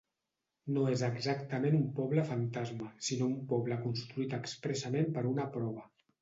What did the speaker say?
No és exactament un poble fantasma, sinó un poble construït expressament per una prova.